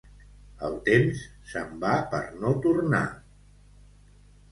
El temps se'n va per no tornar.